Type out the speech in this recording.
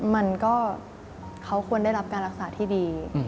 มันก็เขาควรได้รับการรักษาที่ดี